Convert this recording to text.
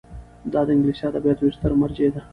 دا د انګلیسي ادبیاتو یوه ستره مرجع ده.